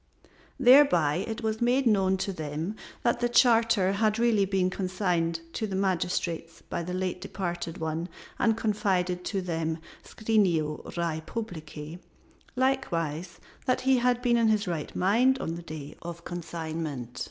Thereby it was made known to them that the charter had really been consigned to the magistrates by the late departed one and confided to them scrinio rei publicæ, likewise that he had been in his right mind on the day of the consignment.